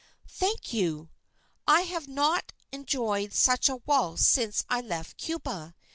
"Thank you! I have not enjoyed such a waltz since I left Cuba.